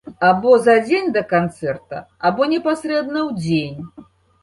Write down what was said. Або за дзень да канцэрта, або непасрэдна ў дзень.